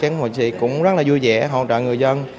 các ngôi chiến sĩ cũng rất là vui vẻ hỗ trợ người dân